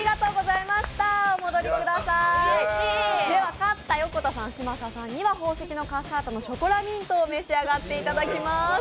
勝った横田さん・嶋佐さんには、宝石のカッサータのショコラミントを召し上がっていただきます。